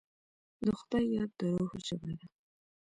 د خدای یاد، د روح ژبه ده.